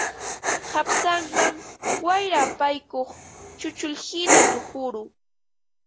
Qapsanman wayra apaykuq chunchullhina tuquru